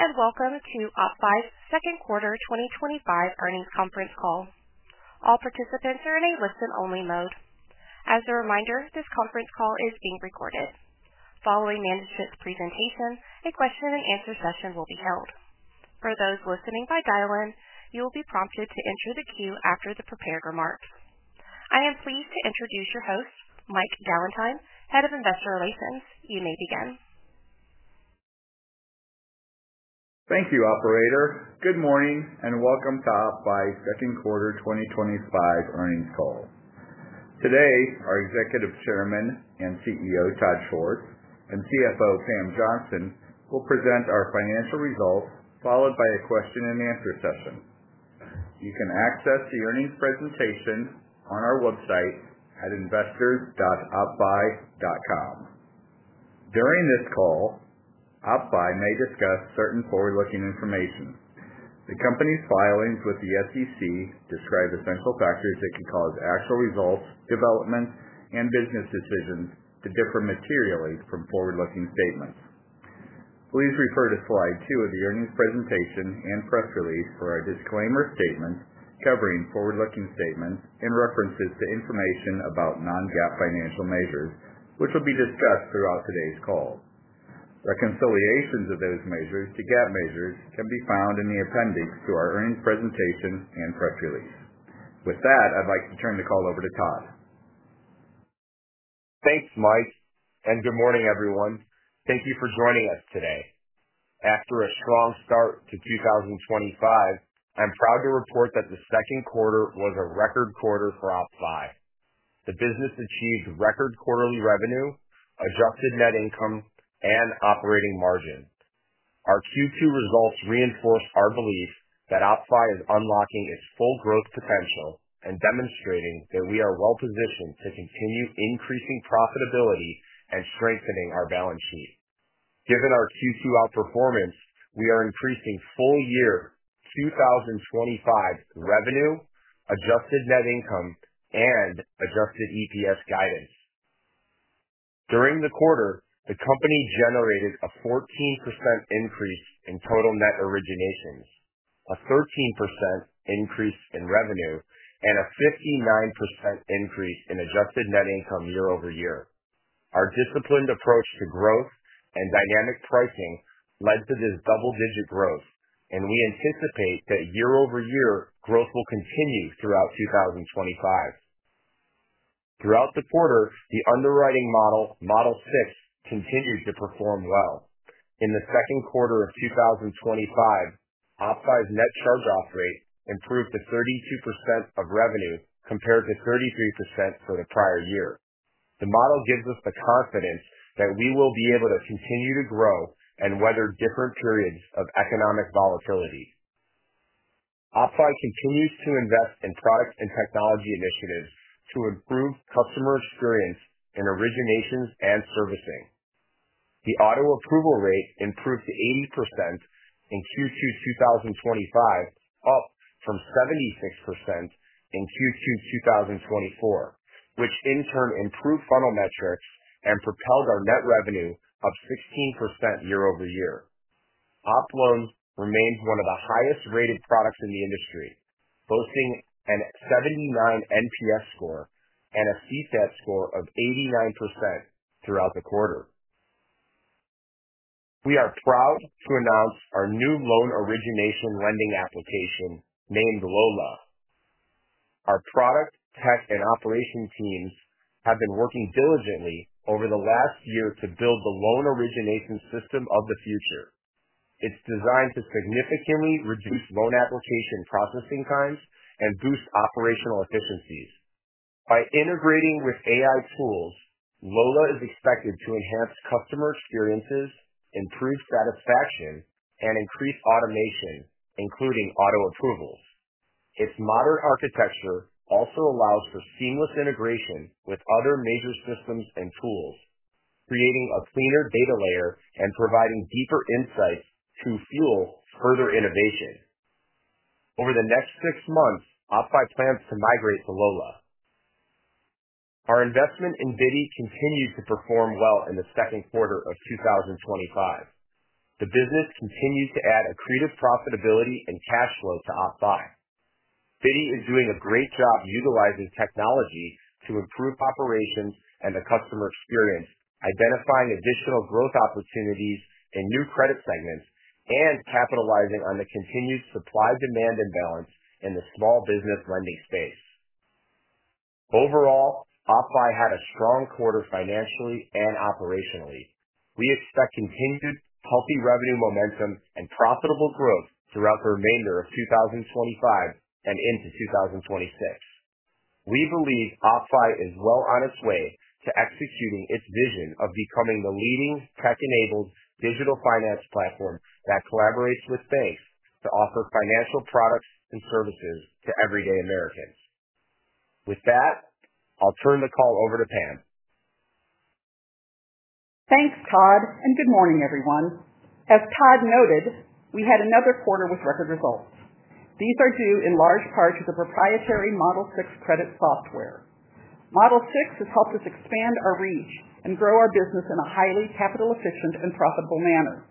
Welcome to OppFi's Second Quarter 2025 Earnings Conference Call. All participants are in a listen-only mode. As a reminder, this conference call is being recorded. Following the presentation, a question-and-answer session will be held. For those listening by dial-in, you will be prompted to enter the queue after the prepared remarks. I am pleased to introduce your host, Mike Gallentine, Head of Investor Relations. You may begin. Thank you, operator. Good morning and welcome to OppFi's Second Quarter 2025 Earnings call. Today, our Executive Chairman and CEO, Todd Schwartz, and CFO, Sam Johnson, will present our financial results, followed by a question-and-answer session. You can access the earnings presentation on our website at investors.oppfi.com. During this call, OppFi may discuss certain forward-looking information. The company's filings with the SEC describe essential factors that can cause actual results, development, and business decisions to differ materially from forward-looking statements. Please refer to slide two of the earnings presentation and press release for our disclaimer statement covering forward-looking statements and references to information about non-GAAP financial measures, which will be discussed throughout today's call. Reconciliations of those measures to GAAP measures can be found in the appendix to our earnings presentation and press release. With that, I'd like to turn the call over to Todd. Thanks, Mike, and good morning, everyone. Thank you for joining us today. After a strong start to 2025, I'm proud to report that the second quarter was a record quarter for OppFi. The business achieved record quarterly revenue, a drop in net income, and operating margins. Our Q2 results reinforce our belief that OppFi is unlocking its full growth potential and demonstrating that we are well-positioned to continue increasing profitability and strengthening our balance sheet. Given our Q2 outperformance, we are increasing full-year 2025 revenue, adjusted net income, and adjusted EPS guidance. During the quarter, the company generated a 14% increase in total net originations, a 13% increase in revenue, and a 59% increase in adjusted net income year over year. Our disciplined approach to growth and dynamic pricing led to this double-digit growth, and we anticipate that year-over-year growth will continue throughout 2025. Throughout the quarter, the underwriting model, Model 6, continued to perform well. In the second quarter of 2025, OppFi's net charge-off rate improved to 32% of revenue compared to 33% for the prior year. The model gives us the confidence that we will be able to continue to grow and weather different periods of economic volatility. OppFi continues to invest in product and technology initiatives to improve customer experience in originations and servicing. The auto-approval rate improved to 80% in Q2 2025, up from 76% in Q2 2024, which in turn improved funnel metrics and propelled our net revenue up 16% year-over-year. OppLoans remained one of the highest-rated products in the industry, boasting a 79 NPS score and a CSAT score of 89% throughout the quarter. We are proud to announce our new loan origination lending application named LOLA. Our product, tech, and operation teams have been working diligently over the last year to build the loan origination system of the future. It's designed to significantly reduce loan application processing times and boost operational efficiencies. By integrating with AI tools, LOLA is expected to enhance customer experiences, improve satisfaction, and increase automation, including auto-approvals. Its modern architecture also allows for seamless integration with other major systems and tools, creating a cleaner data layer and providing deeper insights to fuel further innovation. Over the next six months, OppFi plans to migrate to LOLA. Our investment in Biddy continues to perform well in the second quarter of 2025. The business continues to add accretive profitability and cash flow to OppFi. Biddy is doing a great job utilizing technology to improve operations and the customer experience, identifying additional growth opportunities in new credit segments and capitalizing on the continued supply-demand imbalance in the small business lending space. Overall, OppFi had a strong quarter financially and operationally. We expect continued healthy revenue momentum and profitable growth throughout the remainder of 2025 and into 2026. We believe OppFi is well on its way to executing its vision of becoming the leading tech-enabled digital finance platform that collaborates with banks to offer financial products and services to everyday Americans. With that, I'll turn the call over to Pam. Thanks, Todd, and good morning, everyone. As Todd noted, we had another quarter with record results. These are due in large part to the proprietary Model 6 credit software. Model 6 has helped us expand our reach and grow our business in a highly capital-efficient and profitable manner.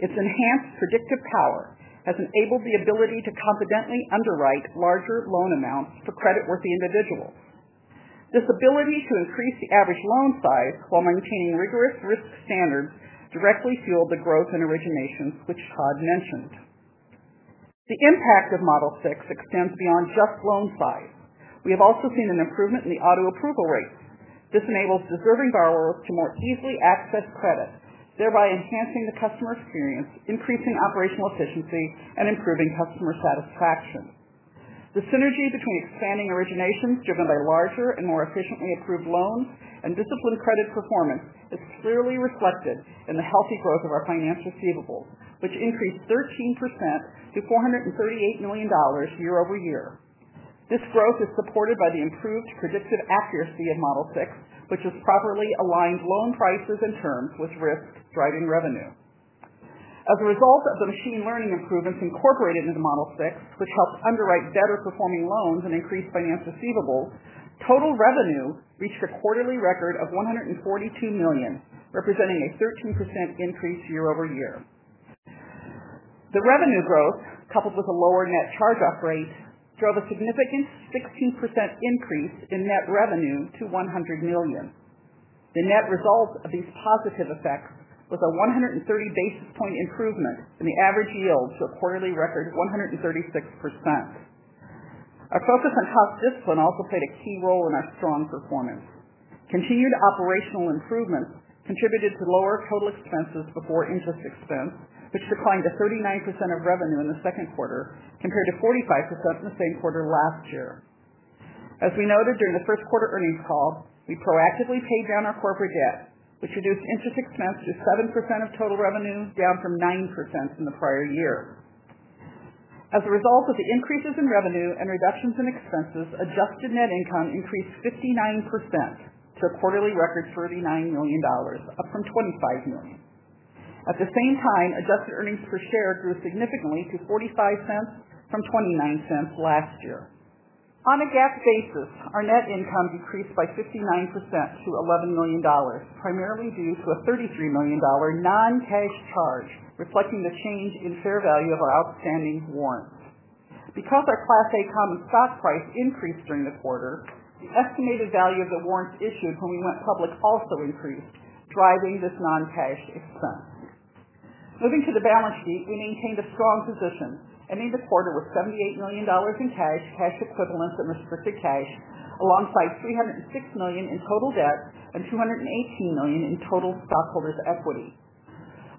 Its enhanced predictive power has enabled the ability to confidently underwrite larger loan amounts for credit-worthy individuals. This ability to increase the average loan size while maintaining rigorous risk standards directly fueled the growth in originations which Todd mentioned. The impact of Model 6 extends beyond just loan size. We have also seen an improvement in the auto-approval rates. This enables reserving borrowers to more easily access credit, thereby enhancing the customer experience, increasing operational efficiency, and improving customer satisfaction. The synergy between expanding originations driven by larger and more efficiently approved loans and disciplined credit performance is clearly reflected in the healthy growth of our finance receivables, which increased 13% to $438 million year-over-year. This growth is supported by the improved predictive accuracy in Model 6, which has properly aligned loan prices and terms with risks driving revenue. As a result of the machine learning improvements incorporated into Model 6, which helped underwrite better-performing loans and increase finance receivables, total revenue reached a quarterly record of $142 million, representing a 13% increase year-over-year. The revenue growth, coupled with a lower net charge-off rate, drove a significant 16% increase in net revenue to $100 million. The net result of these positive effects was a 130 basis point improvement in the average yield to a quarterly record of 136%. Our focus on cost discipline also played a key role in our strong performance. Continued operational improvements contributed to lower total expenses before interest expense, which declined to 39% of revenue in the second quarter compared to 45% in the same quarter last year. As we noted during the first quarter earnings call, we proactively paid down our corporate debt, which reduced interest expense to 7% of total revenue, down from 9% in the prior year. As a result of the increases in revenue and reductions in expenses, adjusted net income increased 59% to a quarterly record $39 million, up from $25 million. At the same time, adjusted earnings per share grew significantly to $0.45 from $0.29 last year. On a GAAP basis, our net income decreased by 59% to $11 million, primarily due to a $33 million non-cash charge, reflecting the change in fair value of our outstanding warrants. Because our Class A common stock price increased during the quarter, the estimated value of the warrants issued when we went public also increased, driving this non-cash expense. Moving to the balance sheet, we maintained a strong position, ending the quarter with $78 million in cash, cash equivalents, and restricted cash, alongside $306 million in total debt and $218 million in total stockholders' equity.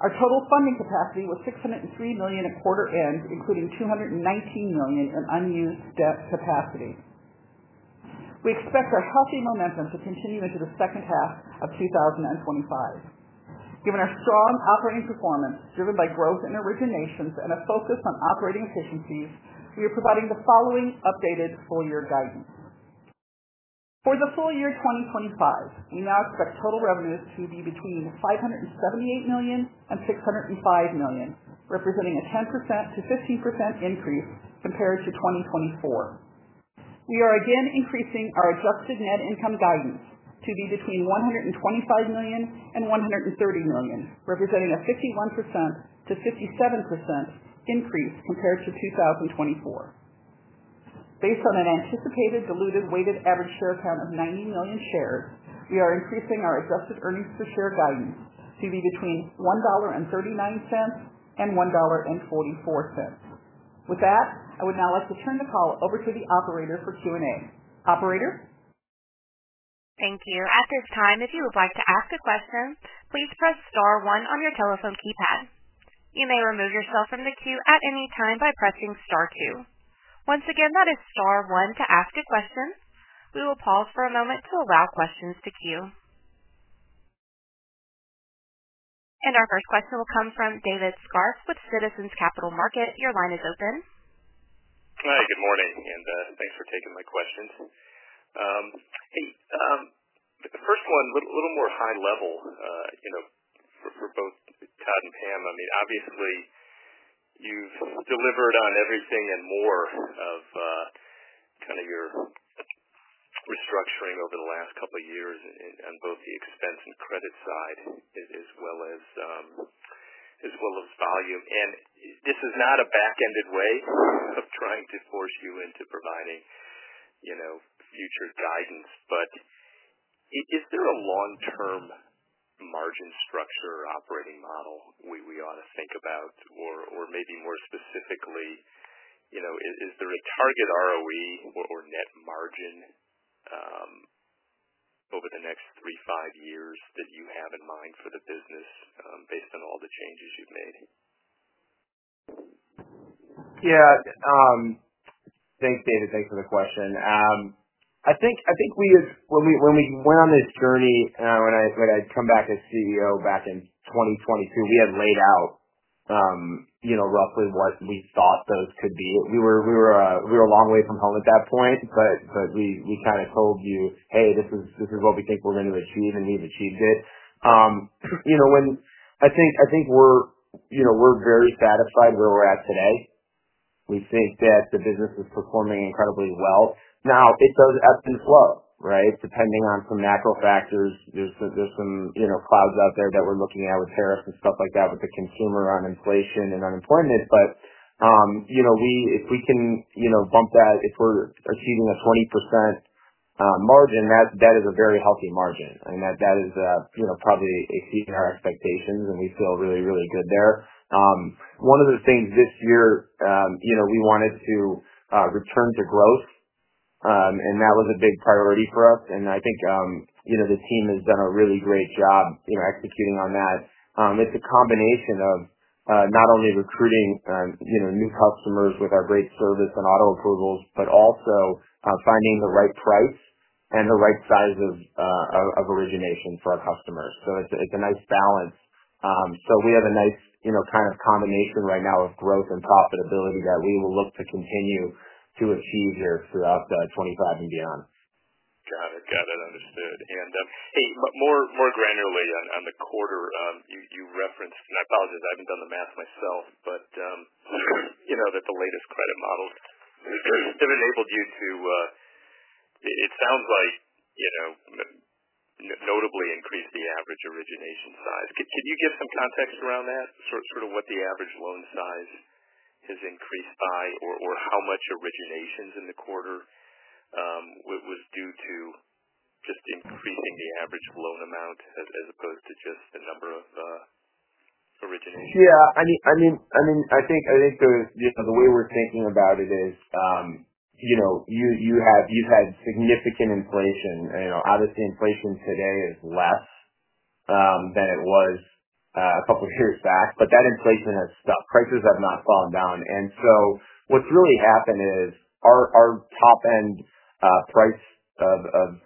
Our total funding capacity was $603 million at quarter end, including $219 million in unused debt capacity. We expect our healthy momentum to continue into the second half of 2025. Given our strong operating performance, driven by growth in originations and a focus on operating efficiencies, we are providing the following updated full-year guidance. For the full year 2025, we announced that total revenues to be between $578 million and $605 million, representing a 10%-15% increase compared to 2024. We are again increasing our adjusted net income guidance to be between $125 million and $130 million, representing a 51%-57% increase compared to 2024. Based on an anticipated diluted weighted average share count of 90 million shares, we are increasing our adjusted earnings per share guidance to be between $1.39 and $1.44. With that, I would now like to turn the call over to the operator for Q&A. Operator? Thank you. At this time, if you would like to ask a question, please press Star, one on your telephone keypad. You may remove yourself from the queue at any time by pressing Star, two. Once again, that is Star, one to ask a question. We will pause for a moment to allow questions to queue. Our first question will come from David Scharf with Citizens Capital Market. Your line is open. Hi, good morning, and thanks for taking my questions. I think the first one, a little more high level, for both Todd and Pam. Obviously, you've delivered on everything and more of your restructuring over the last couple of years on both the expense and credit side as well as volume. This is not a back-ended way of trying to force you into providing future guidance. Is there a long-term margin structure or operating model we ought to think about? Maybe more specifically, is there a target ROE or net margin over the next three, five years that you have in mind for the business based on all the changes you've made? Yeah, thanks, David. Thanks for the question. I think we have, when we went on this journey, when I had come back as CEO back in 2022, we had laid out, you know, roughly what we thought those could be. We were a long way from home at that point, but we kind of told you, "Hey, this is what we think we're going to achieve, and we've achieved it." I think we're very satisfied where we're at today. We think that the business is performing incredibly well. It does ebb and flow, right? Depending on some macro factors, there's some clouds out there that we're looking at with tariffs and stuff like that, with the consumer on inflation and unemployment. If we can bump that, if we're achieving a 20% margin, that is a very healthy margin. That is probably exceeding our expectations, and we feel really, really good there. One of the things this year, we wanted to return to growth, and that was a big priority for us. I think the team has done a really great job executing on that. It's a combination of not only recruiting new customers with our great service and auto-approval rates, but also finding the right price and the right size of origination for our customer. It's a nice balance. We have a nice kind of combination right now of growth and profitability that we will look to continue to achieve here throughout 2025 and beyond. Got it. Understood. More granularly on the quarter, you referenced, and I apologize, I haven't done the math myself, but you know that the latest credit model is very notable due to, it sounds like, notably increased the average origination size. Could you give some context around that? Sort of what the average loan size has increased by or how much originations in the quarter was due to just increasing the average loan amount as opposed to just the number of originations? Yeah, I mean, I think the way we're thinking about it is, you know, you've had significant inflation. I would say inflation today is less than it was a couple of years back, but that inflation has stuck. Prices have not fallen down. What's really happened is our top-end price of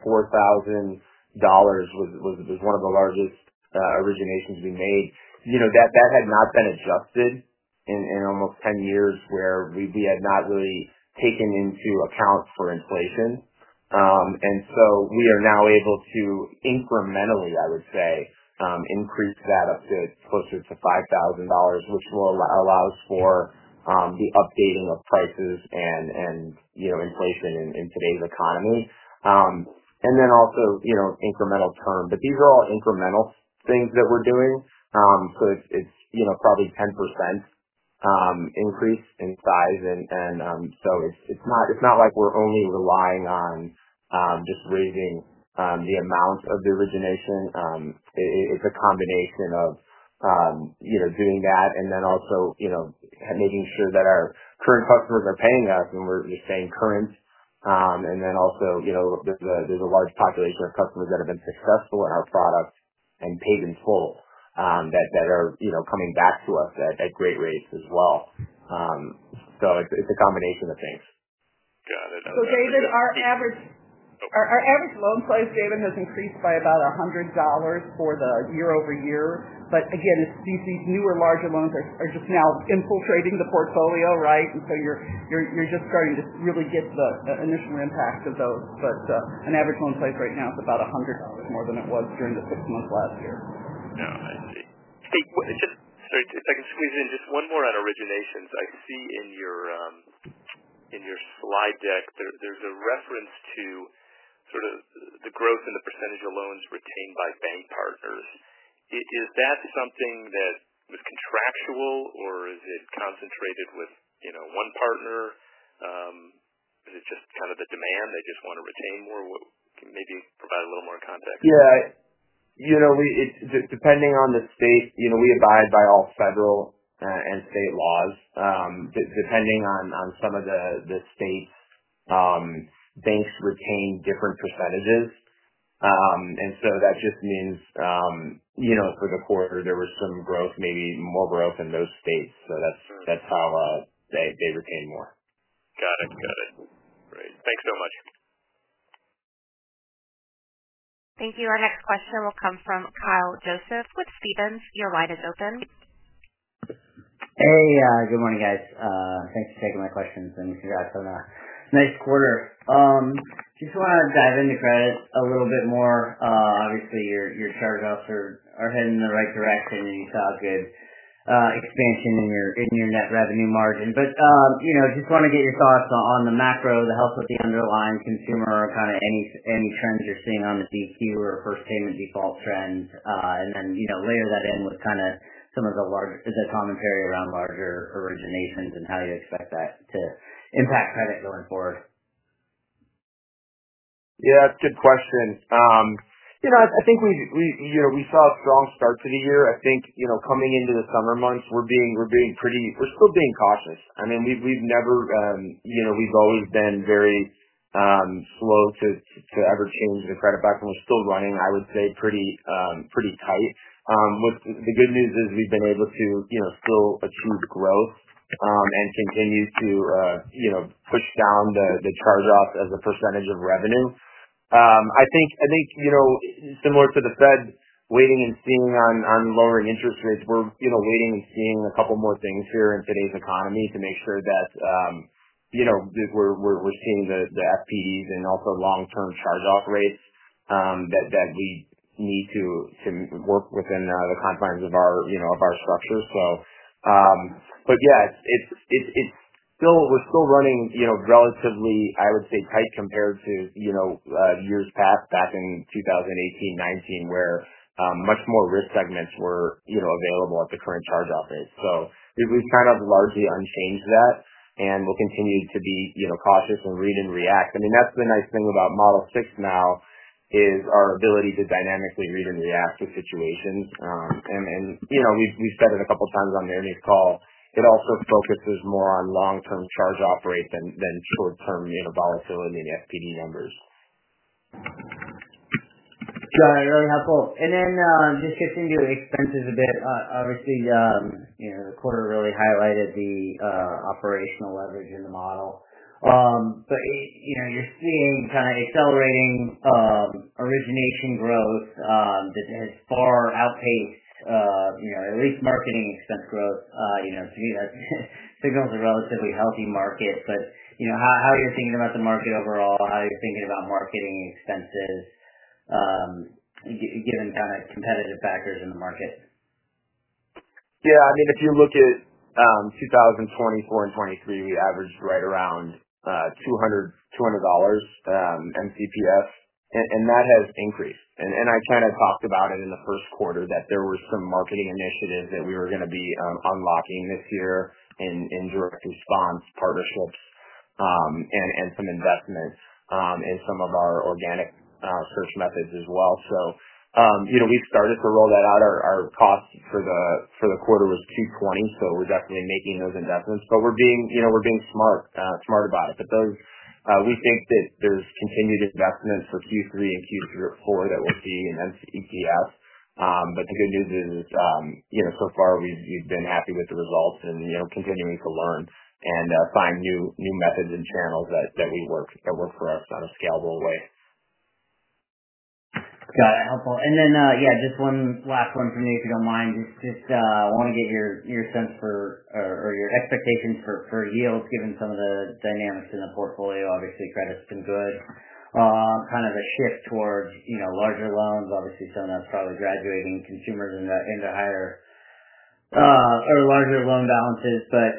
$4,000 was one of the largest originations we made. That had not been adjusted in almost 10 years where we had not really taken into account for inflation. We are now able to incrementally, I would say, increase that up to closer to $5,000, which will allow us for the updating of prices and, you know, inflation in today's economy. Also, you know, incremental term. These are all incremental things that we're doing, but it's, you know, probably 10% increase in size. It's not like we're only relying on just raising the amount of the origination. It's a combination of, you know, doing that and then also, you know, making sure that our current customers are paying us, and we're just saying current. Also, you know, there's a large population of customers that have been successful in our products and paid in full that are, you know, coming back to us at great rates as well. It's a combination of things. Got it. Our average loan size, David, has increased by about $100 year-over-year. These newer larger loans are just now infiltrating the portfolio, right? You're just starting to really get the initial impact of those. An average loan size right now is about $100 more than it was during the 15th last year. No, I see. Hey, quick, just if I can squeeze in just one more on originations. I can see in your slide deck, there's a reference to the growth in the percentage of loans retained by bank partners. Is that something that was contractual, or is it concentrated with one partner? Is it just kind of a demand? They just want to retain more? Maybe provide a little more context. Yeah, you know, it's depending on the state. We abide by all federal and state laws. Depending on some of the states, banks retain different percentages. That just means, for the quarter, there was some growth, maybe more growth in those states. That's how they retain more. Got it. Great. Thanks so much. Thank you. Our next question will come from Kyle Joseph with Stephens. Your line is open. Hey, good morning, guys. Thanks for taking my questions. I'm just excited about a nice quarter. I just want to dive into credit a little bit more. Obviously, your charge-offs are heading in the right direction, and you saw a good expansion in your net revenue margin. I just want to get your thoughts on the macro, the health of the underlying consumer, or kind of any trends you're seeing on the DQ or first payment default trend, and then layer that in with kind of some of the commentary around larger originations and how you expect that to impact credit going forward. Yeah, that's a good question. I think we saw a strong start to the year. I think coming into the summer months, we're being pretty, we're still being cautious. I mean, we've never, we've always been very slow to ever change the credit back when we're still running, I would say, pretty tight. The good news is we've been able to still achieve growth and continue to push down the charge-offs as a percentage of revenue. I think, similar to the Fed waiting and seeing on lower interest rates, we're waiting and seeing a couple more things here in today's economy to make sure that we're seeing the FPDs and also long-term charge-off rates that we need to work within the confines of our structure. It's still, we're still running, I would say, relatively tight compared to years past, back in 2018, 2019, where much more risk segments were available at the current charge-off rate. We've kind of largely unchanged that and will continue to be cautious and read and react. That's the nice thing about Model 6 now, our ability to dynamically read and react to situations. We've said it a couple of times on the earnings call. It also focuses more on long-term charge-off rates than short-term volatility and FPD numbers. Yeah, very helpful. Just shifting to expenses a bit, obviously, the quarter really highlighted the operational leverage in the model. You're seeing kind of accelerating origination growth that does far outpace at least marketing expense growth. You have to signal a relatively healthy market. How are you thinking about the market overall? How are you thinking about marketing expenses given kind of competitive backers in the market? Yeah, I mean, if you look at 2024 and 2023, we averaged right around $200 MCPF. That has increased. I kind of talked about it in the first quarter that there were some marketing initiatives that we were going to be unlocking this year in direct response partnerships and some investments in some of our organic purchase methods as well. We've started to roll that out. Our cost for the quarter was $220, so we're definitely making those investments. We're being smart about it. We think that there's continued investments for Q3 and Q4 that we'll see in MCPF. The good news is, so far, we've been happy with the results and continuing to learn and find new methods and channels that work for us in a scalable way. Got it. Helpful. Just one last one for me, if you don't mind. Just want to get your sense for or your expectation for yields given some of the dynamics in the portfolio. Obviously, credit's been good. Kind of a shift towards, you know, larger loans. Obviously, some of that's probably graduating consumers into higher or larger loan balances. At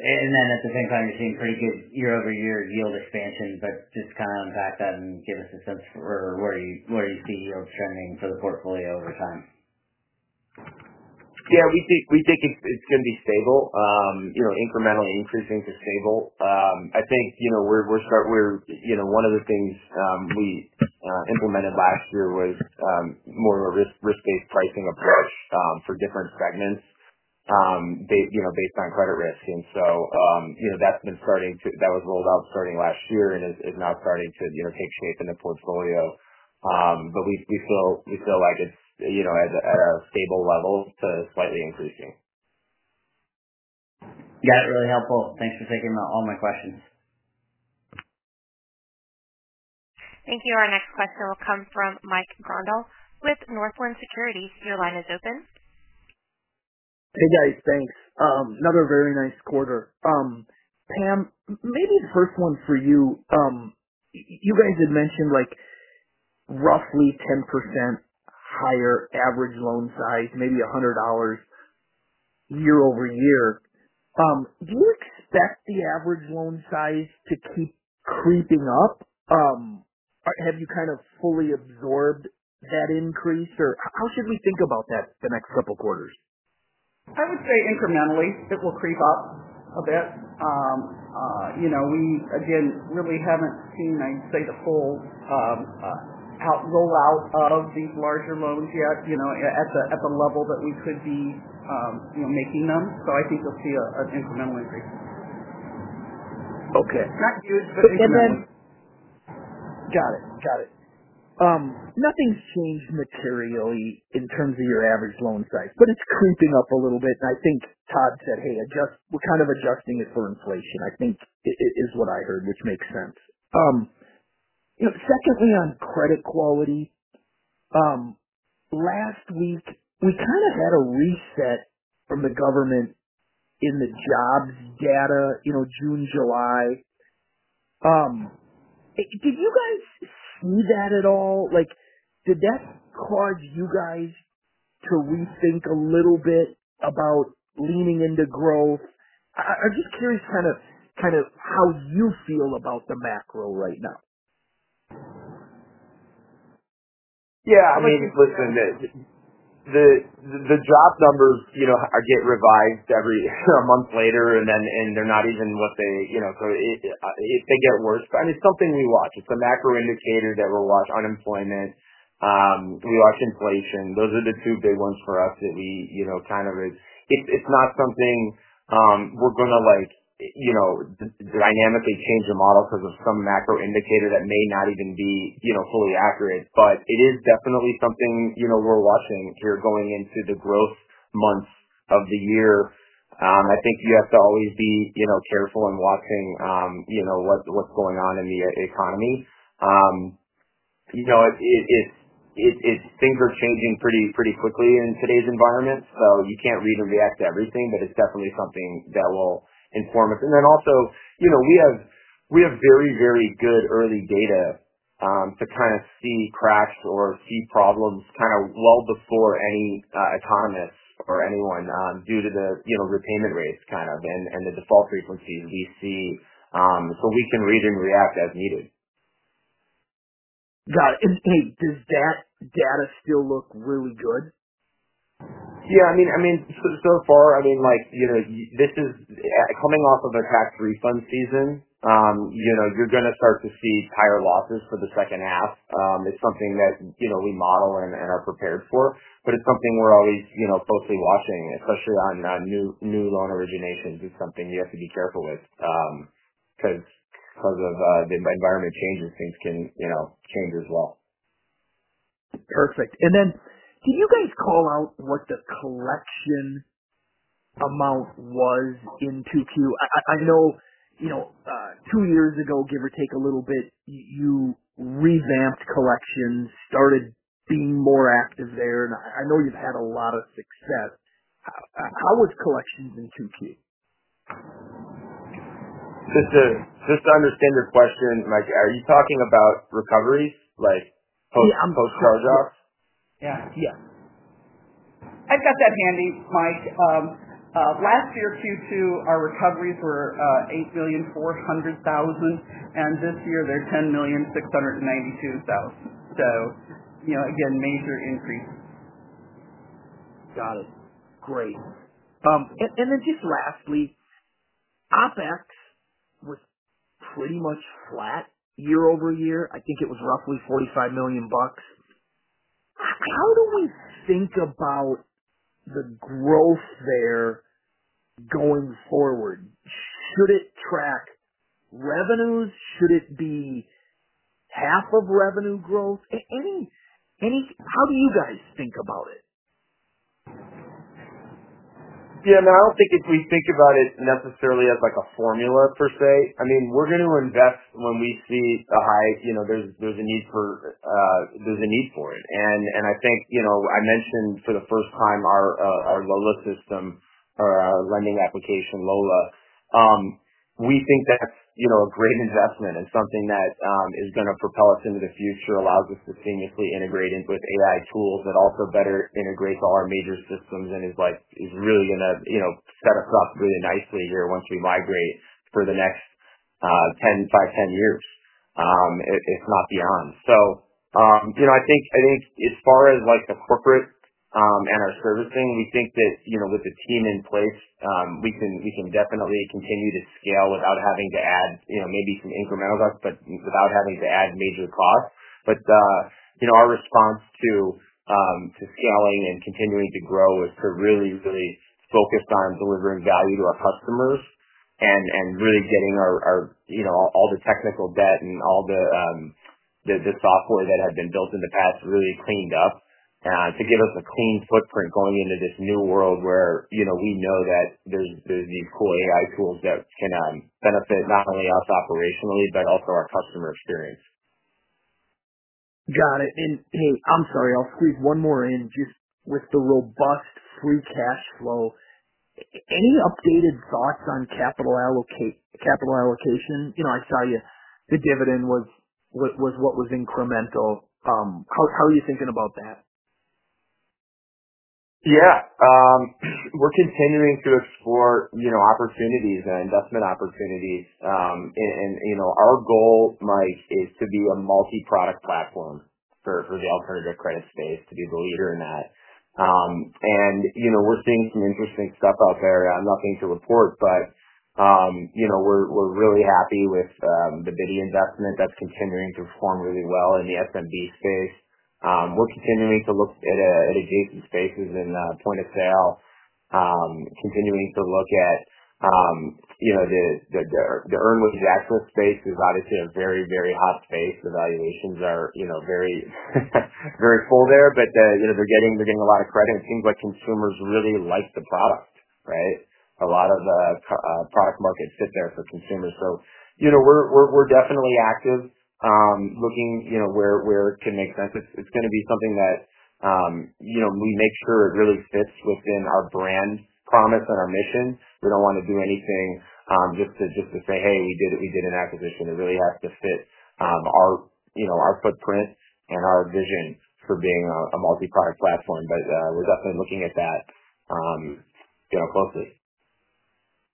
the same time, you're seeing pretty good year-over-year yield expansion. Just kind of unpack that and give us a sense for where you see yield trending for the portfolio over time. Yeah, we think it's going to be stable, incremental, increasing to stable. One of the things we implemented last year was more of a risk-based pricing approach for different segments based on credit risk. That was rolled out starting last year and is now starting to take shape in the portfolio. We feel like it's at a stable level to slightly increasing. Yeah, really helpful. Thanks for taking all my questions. Thank you. Our next question will come from Mike Grondahl with Northland Securities. Your line is open. Hey guys, thanks. Another very nice quarter. Pam, maybe the first one for you. You guys had mentioned like roughly 10% higher average loan size, maybe $100 year-over-year. Do you expect the average loan size to keep creeping up? Have you kind of fully absorbed that increase? How should we think about that the next couple of quarters? I would say incrementally, it will creep up a bit. We really haven't seen the full rollout of these larger loans yet at the level that we could be making them. I think you'll see an incremental increase. Okay. Got it. Nothing's changed materially in terms of your average loan size, but it's creeping up a little bit. I think Todd said, "Hey, we're kind of adjusting it for inflation." I think it is what I heard, which makes sense. Secondly, on credit quality, last week, we kind of had a reset from the government in the jobs data, June, July. Did you guys see that at all? Did that cause you guys to rethink a little bit about leaning into growth? I'm just curious how you feel about the macro right now. Yeah, I mean, listen, the job numbers get revised every month later, and then they're not even what they, you know, if they get worse. It's something we watch. It's the macro indicators that we watch. Unemployment, we watch inflation. Those are the two big ones for us that we, you know, kind of, it's not something we're going to, like, you know, dynamically change the model because of some macro indicator that may not even be fully accurate. It is definitely something we're watching here going into the growth months of the year. I think you have to always be careful in watching what's going on in the economy. You know, things are changing pretty, pretty quickly in today's environment. You can't really react to everything, but it's definitely something that will inform us. We have very, very good early data to kind of see cracks or see problems kind of well before any economists or anyone due to the repayment rates and the default frequency in DC. We can read and react as needed. Got it. Does that data still look really good? Yeah, so far, this is coming off of the tax refund season. You're going to start to see higher losses for the second half. It's something that we model and are prepared for. It's something we're always closely watching, especially on new loan originations. It's something you have to be careful with because if the environment changes, things can change as well. Perfect. Can you guys call out what the collection amount was in Q2? I know two years ago, give or take a little bit, you revamped collections and started being more active there. I know you've had a lot of success. How was collections in 2Q? Just to understand your question, are you talking about recoveries, like, on both charges? Yeah, yeah. I've got that handy, Mike. Last year Q2, our recoveries were $8.4 million, and this year they're $10.692 million. You know, again, major increase. Got it. Great. Lastly, OpEx was pretty much flat year over year. I think it was roughly $45 million. How do we think about the growth there going forward? Should it track revenues? Should it be half of revenue growth? How do you guys think about it? Yeah, I don't think if we think about it necessarily as like a formula per se. I mean, we're going to invest when we see the highs. You know, there's a need for it. I think, you know, I mentioned for the first time our LOLA system, or our lending application, LOLA. We think that's, you know, a great investment and something that is going to propel us into the future, allows us to seamlessly integrate it with AI tools that also better integrate to our major systems and is really going to, you know, set us up really nicely here once we migrate for the next five, 10 years, if not beyond. I think as far as the corporate and our servicing, we think that, you know, with the team in place, we can definitely continue to scale without having to add, you know, maybe some incremental costs, but without having to add major costs. Our response to scaling and continuing to grow is to really, really focus on delivering value to our customers and really getting our, you know, all the technical debt and all the software that had been built in the past really cleaned up to give us a clean footprint going into this new world where, you know, we know that there's these cool AI tools that can benefit not only us operationally, but also our customer experience. Got it. I'm sorry, I'll squeeze one more in just with the robust free cash flow. Any updated thoughts on capital allocation? I saw you, the dividend was what was incremental. How are you thinking about that? Yeah, we're continuing to explore opportunities and investment opportunities. Our goal, Mike, is to do a multi-product platform for the alternative credit space, to be the leader in that. We're seeing some interesting stuff out there. I'm not going to report, but we're really happy with the Biddy investment that's continuing to perform really well in the SMB space. We're continuing to look at adjacent spaces in point of sale, continuing to look at the earned results space, which is obviously a very, very hot space. The valuations are very, very full there, but they're getting a lot of credit. It seems like consumers really like the product, right? A lot of the product markets sit there for consumers. We're definitely active, looking where it can make sense. It's going to be something that we make sure it really fits within our brand promise and our mission. We don't want to do anything just to say, "Hey, we did an acquisition." It really has to fit our footprint and our vision for being a multi-product platform. We're definitely looking at that closely.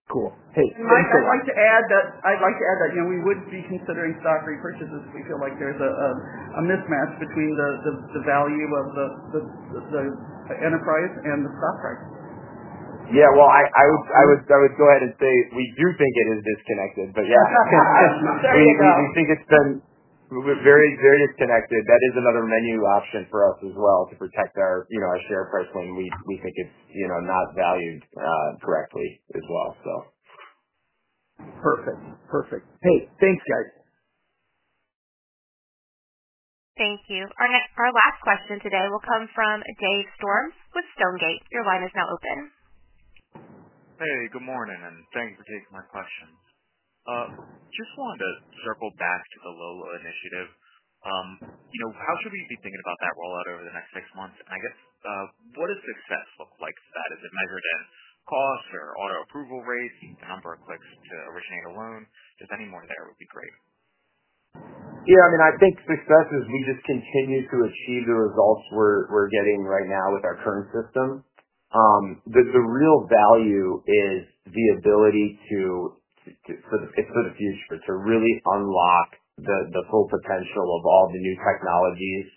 Cool. Hey, thanks for that. I'd like to add that we would be considering stock repurchases if we feel like there's a mismatch between the value of the enterprise and the stock price. I would go ahead and say we do think it is disconnected. We think it's been very, very disconnected. That is another menu option for us as well to protect our share price when we think it's not valued correctly as well. Perfect. Perfect. Hey, thanks, guys. Thank you. Our last question today will come from Dave Storms with Stonegate. Your line is now open. Hey, good morning, and thanks for taking my question. Just wanted to circle back to the LOLA initiative. How should we be thinking about that rollout over the next six months? What does success look like to that? Is it measured in cost or auto-approval rates? The number of clicks to originate a loan? Any more there would be great. Yeah, I mean, I think success is we just continue to achieve the results we're getting right now with our current system. The real value is the ability for the future to really unlock the full potential of all the new technologies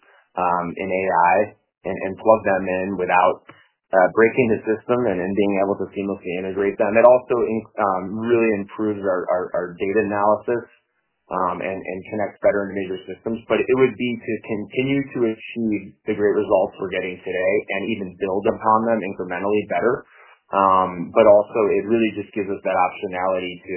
in AI and plug them in without breaking the system and being able to seamlessly integrate them. It also really improves our data analysis and connects better into major systems. It would be to continue to achieve the great results we're getting today and even build upon them incrementally better. It really just gives us that optionality to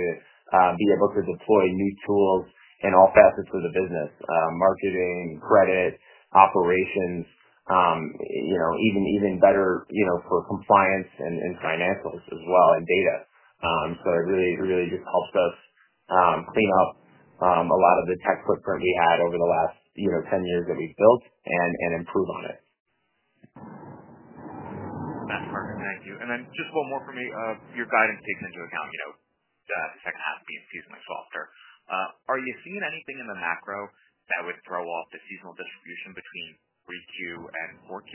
be able to deploy new tools in all facets of the business: marketing, credit, operations, even better for compliance and financials as well and data. It really, really just helps us clean up a lot of the tech footprint we had over the last 10 years that we've built and improve on it. That's perfect. Thank you. Just one more for me. Your guidance takes into account, you know, the second half being seasonally softer. Are you seeing anything in the macro that would throw off the seasonal distribution between 3Q and 4Q?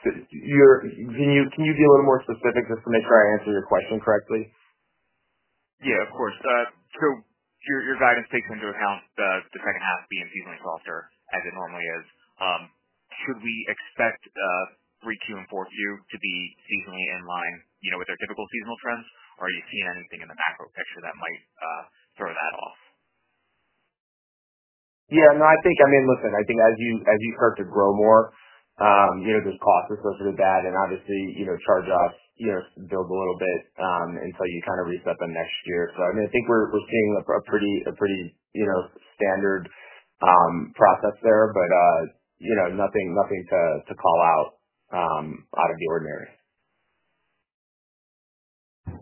Can you be a little more specific just to make sure I answer your question correctly? Yeah, of course. Your guidance takes into account the second half being seasonally softer as it normally is. Should we expect 3Q and 4Q to be seasonally in line with their typical seasonal trends, or are you seeing anything in the macro picture that might throw that off? Yeah, I think as you start to grow more, there's cost associated with that. Obviously, charge-offs build a little bit until you kind of reset the next year. I think we're seeing a pretty standard process there, but nothing to call out out of the ordinary.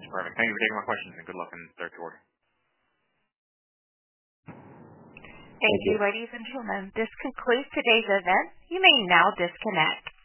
Perfect. Thank you for taking my questions, and good luck in the third quarter. Thank you, ladies and gentlemen. This concludes today's event. You may now disconnect.